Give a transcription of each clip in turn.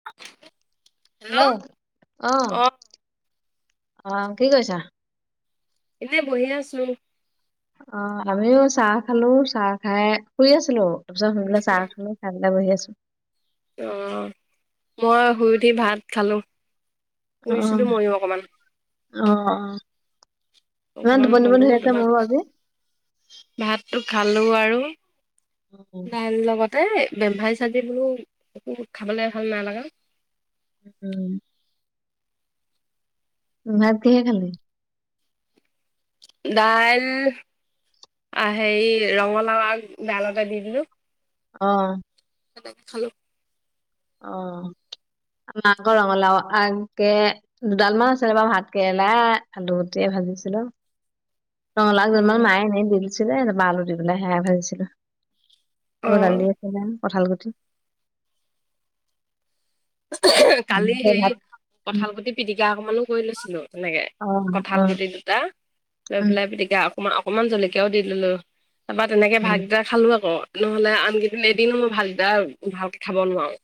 [inaudible] Hello অ', অ', কি কৰিছা? এনে বহি আছোঁ। অ', আমিও চাহ খালোঁ, চাহ খাই শুই আছিলোঁ তাৰপিছত শুই পেলাই চাহ খালোঁ খাই। বহি আছোঁ। অ', মই শুই উঠি ভাত খালো শুইছিলো অহ, ময়ো অকমান অহ। ইমান অকমান টোপনি টোপনি হলো ধৰি আছে তোমাৰ মোৰো ভাত আজি। ভাতটো খালো আৰু দাইল লগত এই বেমফাৰী চাৰজ বোৰো একো খাবলে ভাল নালাগা। উম। উ ভাত কিহে খালি? দাইল হেৰি ৰঙালাও বলতে দি দিলো অ'। সেইনে খালো। [unintelligible] মাংস ৰঙলাও আকে দুডাল মান আছিলে বাৰু ভাত কেৰেলা আলুগুটিয়ে ভাজিছিলো। ৰঙালাও আগ দুডালমান উম মায়ে এনেই দি দিছিলে তাপা আলু দি পেলাই সেয়াই ভাজিছিলে। অ এইবোৰ দালি আছে কঁঠাল গুটি,। কালি সেই কঁঠাল গুটি। পিটিকা অকমানো কৰি লৈছিলোঁ, তেনেকে অ কঁঠাল অ গুটি দুটা লৈ উম পেলাই পিটিকা। অ অকমান জলকীয়াও দি দিলো তাপা তেনেকে ভাত কেইটা। খালো আক, নহলে আনকেইদিন এদিনো মই ভাতকেইটা ভালকে খাব নোৱাৰোঁ।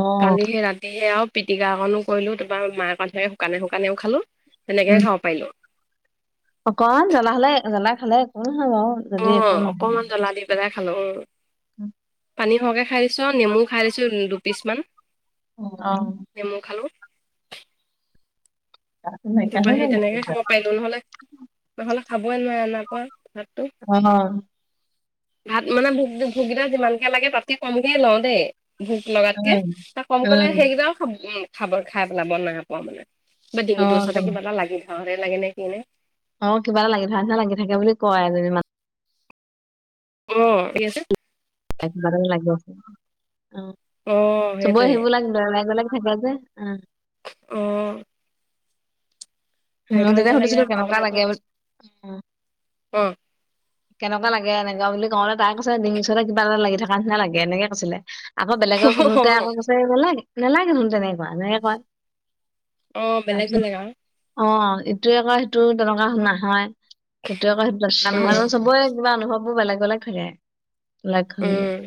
অ কালি সে ৰাতিহে সেই আও পিটিকা অকণো কৰিলোঁ তাপা মাকে কোৱা নিচিনাকে শুকানে শুকানেও খালো। উম তেনেকেহে খাব পাৰিলো। অকমান জ্বলা হালে জ্বলা খালে একো নহয় বাও। অ, অকণমান জ্বলা দি পেলাই খালো। উম'। পানী সৰহকে খাই দিছ আও নেমু খাই দিছো দুপিচ মান। উম, অ নেমু খালোঁ গাটো নাইকিয়া তাপা হৈ সেই যাব তেনেকে তেতিয়া। খাব পাৰিলো নহলে নহ'লে খাবই নোৱাৰ নাই পোৱা ভাতটো অ ভাত মানে ভোগ ভোগ কেইটা যিমানকে লাগে তাতকে কমকে লওঁ দেই ভোক লগাতকে উম, ত কমকলে উম, সেইকেইটাও খাব উ খাব খাই পেলাব নাইপোৱা মানে কিবা ডিঙিটোৰ অ', ওচৰতে একদম কিবা এটা লাগি ধৰতে লাগে নে কি নে অ কিবা এটা লাগি ধৰা নিচিনা লাগি থাকে বুলি কয় এজনী মান উম কি আছে কিবা এটা যে লাগি আছে অহ অ চবৰে সেইটোয়ে সেইবিলাক বেলেগ বেলেগ থাকে যে উম' উম' নাইত মই তেতিয়া আঞ্জা লাগিল সুধিছিলো খাব কেনেকুৱা লাগে বুলি উম, [unintelligible] অ কেনেকুৱা লাগে এনেকুৱা বুলি কওঁতে তাই কৈছে ডিঙি ওচৰতে কিবা এটা লাগি থকাৰ নিচিনা লাগে এনেকে কৈছিলে আকৌ বেলেগক অ সুধোতে আকৌ কৈছে বোলে নেলাগে চোন তেনেকুৱা এনেকে কয় অ বেলেগ তাৰপিছত বেলেগ আও অ ইটোয়ে আকৌ সেইটো তেনেকুৱা নহয় সিটোয়ে আকৌ সেইটো [unintelligible] নহয় উম জানো কিবা অনুভৱ বোৰ বেলেগ বেলেগ থাকে। উম [unintelligible]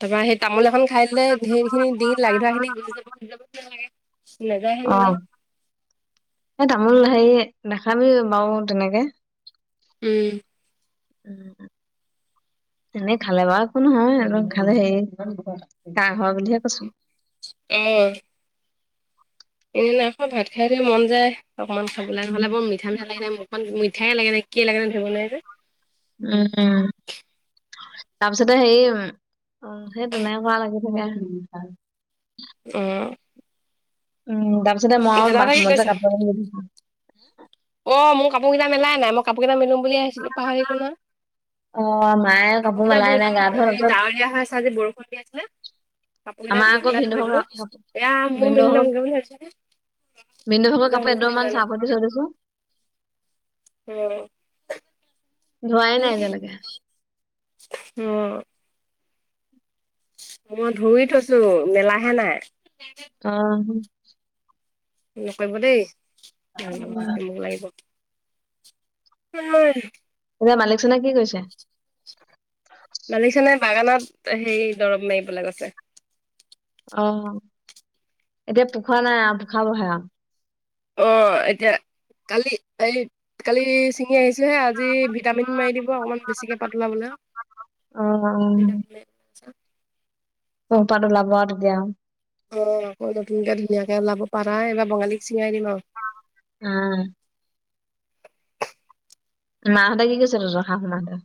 তাপা সেই তামোল এখন খাই দিলে সেইখিনি ডিঙ লাগি ধৰা খিনি গলি যাব গুছি যাব গুছি যাব কি লাগে নেযায় হে অ নেযায় এই তামোল সেই নেখাবি বাও তেনেকে উম উম এনেই খালে বা একো নহয় এইটো খালে হেৰি কাহ হোৱা বুলিহে কৈছো এ এদিনা ভাত খাই উঠি মন যায় অকমান খাবলে নহ'লে বৰ মি মিঠা মিঠা লাগি থাকে মুখখন, মিঠাই লাগে নে কি লাগে ধৰিব নোৱাৰি যে উম তাৰপিছতে সেই তেনে কৰা লাগি থাকে উম উম তাৰ পাছতে মই আও দাদা কি বাথৰুমত যে কৰিছে? কাপোৰ মেলি [unintelligible] অ মোৰ কাপোৰকেইটা মেলাই নাই মই কাপোৰ কেইটা মেলো বুলি আহিছিলোঁ পাহৰিলো না অ মায়ে কাপোৰ কেইটা মেলাই ধুই নাই গা থলো ধোৱা সেই তাৰপিছত ডাৱৰীয়া হৈ আছে আজি বৰষুণ দি আছিলে কাপোৰ কেইটা আমাৰ ধই আকৌ পেলাই থৈ দিলো, ভিনদেউহতৰ কাপোৰ এয়া মোৰ মেলি ভিনদেউহতৰ লমগে বুলি ভাবিছোঁ। ভিনদেউ ভাগৰ কাপোৰ এদমমান ছাৰ্ফত থৈ দি থৈ দিছোঁ। উম। ধোৱাই নাই এতিয়ালৈকে। উম। মই ধুই থৈছো মেলাহে নাই। অঁহ। নকৰিব দেই ঘৰতে মোক লাগিব। এতিয়া মালিক জনে কি কৈৰিছে? মালিক জনে বাগানত সে দৰৱ মাৰিবলৈ গৈছে। অঁ এতিয়া পোখা নাই আৰু পোখাবহে আৰু অঁ এতিয়া কালি এই কালি ছিঙি আহিছেহে আজি ভিটামিন মাৰি দিব অকমান বেছিকে পাত ওলাবলে। অ', অঁ পাত ওলাব আৰু তেতিয়া। অঁ আকৌ নতুনকে ধুনীয়াকে ওলাব পাতা এইবাৰ বঙালীক ছিঙাই দিম আৰু। আঁহ। মাহঁতে কি কৰি তহঁতৰ শাহু মাহঁতে?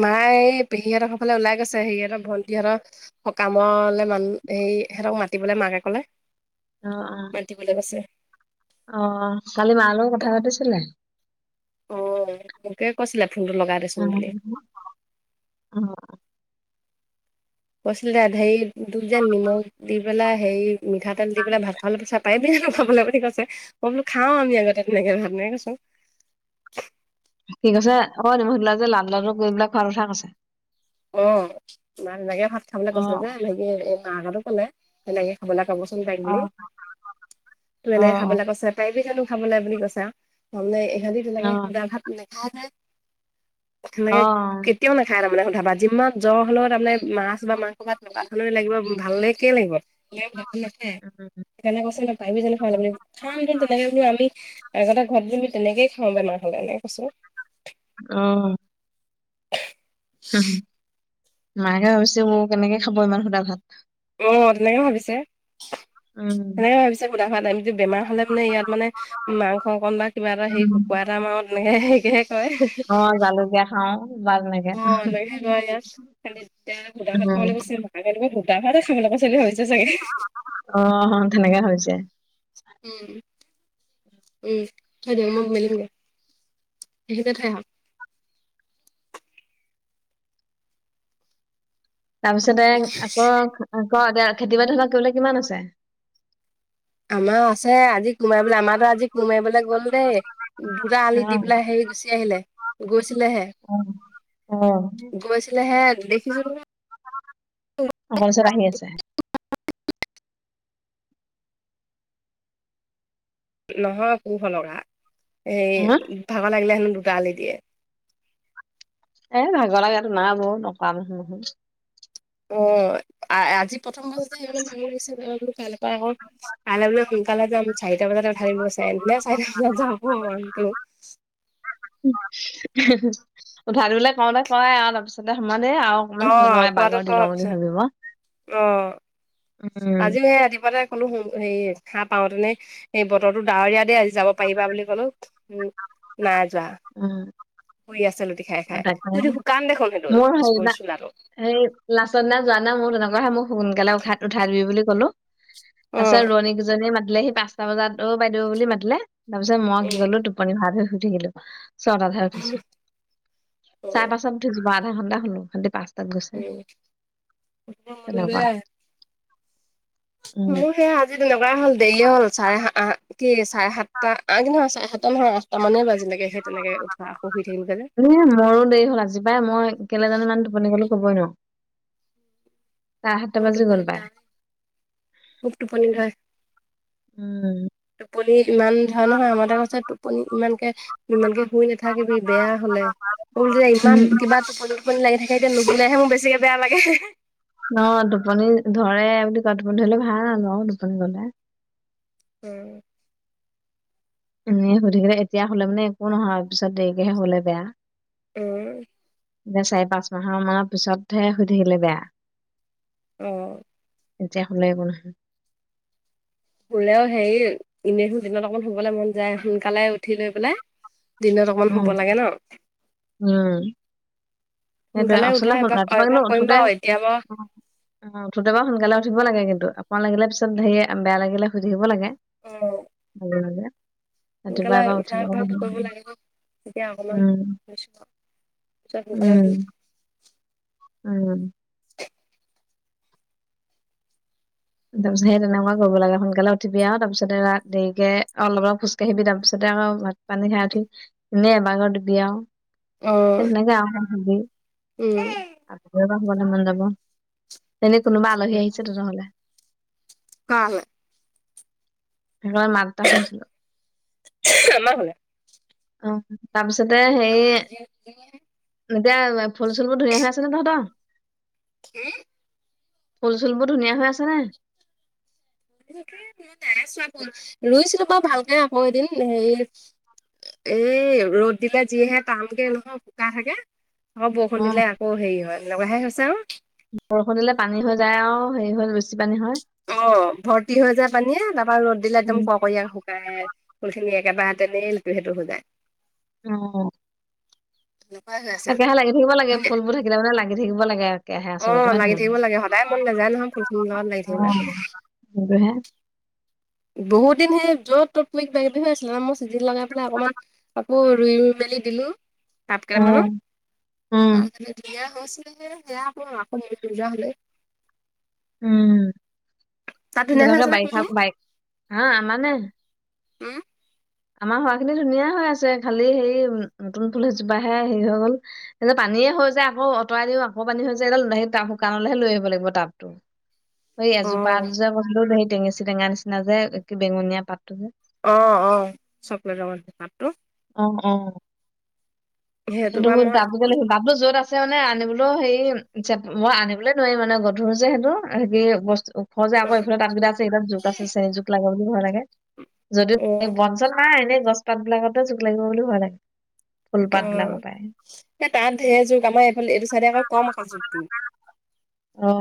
মাই এই পেহী হঁতৰ ঘৰ ফালে ওলাই গৈছে হেৰি হঁতৰ ভণ্টিহঁতৰ সকামলে মানুহ হে সিহঁতক মাতিবলে মাকে কলে। অঁ আঁ। মাতিবলৈ গৈছে। অঁ' কালি মাৰ লগত কথা পাতিছিলা? অ' মোকে কৈছিলে ফোনটো লগাই দেচোন বুলি। অঁ। কৈছিলে হেৰি তোক যে নিমখ দি পেলাই হেৰি মিঠাতেল দি পেলাই ভাত [unintelligible] পাৰিবি নাই খাবলৈ বুলি কৈছে, মই বোলো খাওঁ আগতে তেনেকে ভাত এনেকে কৈছো। সি কৈছে ঐ [unintelligible] লাডু লাডু কৰি পেলাই খোৱাৰ কথা কৈছে। অঁ মাক দেউতাকে ভাত খাবলৈ কৈছে অ', যে সেইয়ে এই মাকহঁতো ক'লে। এনেকে খাবলৈ কাবচোন তাইক বুলি অ', তোক অ', এনেকে অ', খাবলৈ কৈছে পাৰিবি জানো খাবলে বুলি কৈছে আৰু, তাৰমানে ইহঁতি তেনেকে অ', শুদা ভাত নেখাই যে। সেনেকে অ', কেতিয়াও নাখায় তাৰমানে শুদা ভাত। যিমান জ্বৰ হ'লেও তাৰমানে মাছ বা মাংস ভাত [unintelligible] লাগিব ভালেকে লাগিব। [unintelligible] খামটো তেনেকে বলো আমি আগতে ঘৰত বোলো আমি তেনেকে খাওঁ বেমাৰ হলে এনেকে কৈছো। অঁ'। মাকে ভাবিছে উ কেনেকে খাব ইমান শুদা ভাত। অঁ' তেনেকে ভাবিছে, উম। তেনেকে ভাবিছে শুদা ভাত আমিতো বেমাৰ হ'লে মানে ইয়াত মানে মাংস অকন বা কিবা এটা হেৰি উম কুকুৰা এটা মাৰো তেনেকে হেৰিকেহে কয়। অ', জালুক দিয়া খাওঁ বা তেনেকে অঁ' এনেকেহে কয় ইয়াত, খালি এতিয়া শুদা ভাত উম, খাবলৈ কৈছিল ন আইতালোকে শুদা ভাতেহে খাবলৈ কৈছে বুলি ভাবিছে চাগে। অ', তেনেকে হৈছে। উম। উম, থৈ দিয়ক মই মেলিমগে, এইখিনিতে থৈ আহক। তাৰপিছতে কাপোৰখিনি। আকৌ আকৌ এতিয়া খেতি বাতি ধৰি লোৱা কৰিবলে কিমান আছে? আমাৰ আছে আজি কোৰ মাৰিবলে আমাৰতো আজি কোৰ মাৰিবলৈ গ'ল দেই। দুটা আলি দি অ', পেলাই হেৰি গুচি আহিলে, গৈছিলেহে। অ', অ', গৈছিলে হে, দেখিছো ঘৰ ওচৰত আহি আছে। নহয় কু হলকা। সেই হা ভাগৰ লাগিলে হেনো দুটা আলি দিয়ে। এ ভাগৰ লাগা [unintelligible] অ'। আ আজি প্ৰথম [unintelligible] যে হেইকানে ভাল লাগিছে [unintelligible] কাইলে পা আকৌ কাইলে বোলে সোনকালে যাম। চাৰিটা বজাতে উঠাই দিম কৈছে। [unintelligible] চাৰিটা বজাত যাব মনটো। [unintelligible] উঠাই দিবলে কওঁতে কই আৱ, তাপিছতে সমানে আৱ। ইমান ভই অ', লগা, কোৱাটো বাগৰ ক দি লওঁ বুলি পিছত ভাবিব। অ', উম। আজিও সে ৰাতিপুৱাতে কলো সেই সা পাওঁতেনে হে বতৰটো ডাৱৰীয়া দে আজি যাব পাৰিবা বুলি ক'লো। উম, নাই যোৱা। উম। শুই আছে লুটি খাই খাই, তাকে হুইটো শুকান দেখোন সেটো মোৰ সেইদিনা [unintelligible] চোলাটো। সেই লাষ্ট দিনা যোৱা না মো তেনেকুৱা হয়। মোক সোনকালে উসাত উঠাই দিবি বুলি ক'লো। তা পিছত অ', ৰোৱনী কিজনি মাতিলেহি পাঁচটা বজাত। অ' বাইদেউ বুলি মাতিলে, তাপিছত মই কি উম, কৰিলো [unintelligible] শুই থাকিলো। ছটাত হে উঠিছো। চাই উম, পাঁচটাত উঠিছো। [unintelligible] তাত গৈছে, উম, মন তেনেকুৱা। নাযায়। উম মোৰ সেয়া আজি তেনেকুৱাই হ'ল দেৰিয়ে হ'ল। চাৰে কি চাৰে সাতটা আহ কি নহয় চাৰে সাত টা নহয়, আঠটা মান হে বাজিলেগে। সে তেনেকে উঠা, আকৌ শুই থাকিলোগে যে। এ মোৰো দেৰি হ'ল। আজি পাই মই কেলে জানো ইমান টোপনি গ'লো, ক'বই নোৱাৰো। চাৰে সাতটা বাজি গ'ল পাই [unintelligible] খুব টোপনি ধৰে। উম। টোপনি ইমান। নহয় নহয়। আমাৰ টোৱে কৈছে টোপনি ইমানকে ইমানকে শুই নাথাকিবি, বেয়া হোলে। মোৰ যে ইমান উম কিবা টোপনি টোপনি লাগি থাকে, এতিয়া নুবোনাইহে মোৰ বেছিকে বেয়া লাগে। ন টোপনি ধৰে বুলি [unintelligible] টোপনি ধৰিলে ভাল, অ টোপনি গলে। উম। এ শুই থাকিলে এতিয়া হোলে মানে একো নহয়, পিছত দেৰিকেহে হোলে বেয়া। উম। এতিয়া চাৰি পাঁচ মাহ মানৰ পিছতহে শুই থাকিলে বেয়া। অ'। এতিয়া হোলে একো নহয়। শুলেও হেৰি এনে হো দিনত অকণ শুবলে মন যায়, সোনকালে উঠি লৈ পেলাই। দিনত অকমান শুব উম লাগে ন'? উম সেইটোৱে সোনকালে উঠা আচলতে এবাক ৰাতিপুৱা কিন্তু অভ্যাস কৰিম উঠোতে বাৱ। এতিয়া বাৱ অ' উঠোতে বাও সোনকালে উঠিব লাগে কিন্তু অকণ লাগিলে পিছত হেৰিয়ে বেয়া লাগিলে শুই থাকিব লাগে। অ। [unintelligible] ৰাতিপুৱা সোনকালে এবাৰ উঠা উঠিব অভ্যাসটো কৰিব লাগে ক। তেতিয়া অকমান উম পিছত সোনকালে উম উঠি উম। তাপিছত সেই তেনেকুৱা কৰিব লাগে। সোনকালে উঠিবি আৱ, তাপিছতে ৰা দেৰিকে অলপ অলপ খোজ কাঢ়িবি। তাৰপিছতে আকৌ পানী খাই উঠি। ইনে এবাগৰ দিবি আৱ। অ', সেই তেনেকে [unintelligible] উম। আকৌ এবাৰ শুবলৈ মন যাব, এনেই কোনোবা আলহী আহিছে তেনেহ'লে। কালে? সেনেকুৱা মাত এটা শুনিছিলো। আমাৰ ঘৰলে? আহ, তাৰপিছতে সেই নাই এতিয়া ফুল- চুল বোৰ ধুনীয়া হৈ আছে নে তহঁতৰ? কি? ফুল - চুল বোৰ ধুনীয়া হৈ আছে নাই? নাই চোৱা মই, ৰুইছিলো বাৰু ভালকে আকৌ এদিন হেৰি এই ৰ'দ দুতা যিহে তটামকে নহয় শুকাই থাকে। আকৌ বৰষুণ অ দিলে আকৌ হেৰি হয়, লগাহে হৈছে আৰু। বৰষুণ দিলে পানী হৈ যায় আৰু হেৰি হৈ গৈছ। অ' ভৰ্তি হৈ যায় পানীয়ে, তাৰপা ৰ'দ দিলে উম, একদম ককীয়া শুকায়। ফুলখিনি একেবাৰেহতেলটো সেইটো সুজায়। অঁ। হয় হয়। একে ৰাহে লাগি থিব লাগে ফুলবোৰ থাকিলে মানে লাগি থাকিব লাগে আৰু। কেহে অ', আচলৰত হয় লাগি থাকিব নহয় লাগে সদায় মন নাযায় নহয় ফুলখিনিৰ লগত লাগি অ থাকিবলে। সহে [unintelligible] বহুত দিন সেই য'ত ত'ত ত কিবা কিবি হৈ আছিলে ন মোৰ চিজিন লগাই পেলাই অকণমান। আকৌ ৰুই মেলি দিলো, পাতকেইটামান। অ', উম। বিয়া হৈছিলে সেয়া আকৌ আকৌ ম যা হলে [unintelligible] উম, তাত ধুনীয়া হৈ যেনেকে আছে নে বাৰিষা ফুলখিনি - বাৰিষাৰ হা আমাৰ নে? উম। আমাৰ হোৱা খিনি ধুনীয়া হৈ আছে, খালি হেৰি নতুন ফুল এজোপা হে হেৰি হৈ গল। এনে পানীয়ে হৈ যায় আকৌ আঁতৰাই দিও আকৌ পানী হৈ যায় শুানলৈহে লৈ আহিব লাগিব টাব। ত' সেই অ এজোপা এ [unintelligible] দুপা বছও হ সেই টেঙেচি টেঙা নিচিনা যে কি বেঙনীয়া পাতটো যে। অ' অ' চকলেট ৰং পাতটো। উম - উম। সেইটো বা মোৰ মই বাবু বাবো য'ত আছে। [unintelligible] আছে মানে আনিবলৈও হেৰি মই আনিবলৈ নোৱাৰিম মানে গধুৰ যে সেইটো সে বস্তু। স যে আকৌ এইফালে তাবকেইটা আছে এইবপ যুক আছে চে যুক লাগে বুলি ভয় লাগে। অ অ যদিও বন চন নাই এনেই গছ পাত বিলাকতে জোক লাগিব বুলি ভয় লাগে। ফুলপাত বিলাকৰ পৰাই অ' এই তাত ঢেৰ যুক আমাৰ এইফালে এইটো চাইডে আকৌ কম আকৌ যুকটো। অঁ।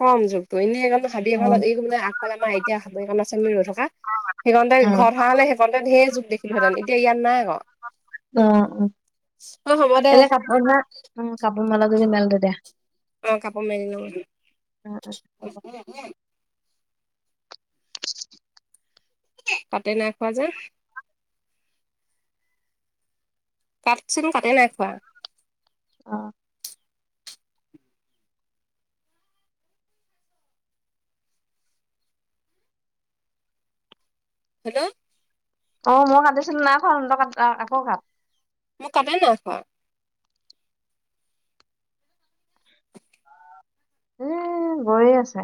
কম জুকটো এনেই এইণে ভাবি এ অ উম এই মানে আগাফালে লনল আমাৰ আইয়া আ ৰৈ থকা। [unintelligible] সিহঁতে ঘৰত হোৱা সিহঁতে সে যুখ দেখিলোহেঁতেন এতিয়া ইয়াত নাই আকৌ। অঁ অঁ। অ' হ'ব দে। ঘৰত জাই কাপোৰ মেল যদি মেলগে দে। [unintelligible] অ' কাপোৰ মেলি লওঁ। অ কাতে নাই খোৱা যে? কাটচোন কাটি নাই খোৱা। অঁ। হেল্ল'? অ'! মই কাটিছিলোঁ, নাই [unintelligible] আকৌ, কাট। মোৰ কাটে নাই খোৱা। এ, গৈয়ে আছে।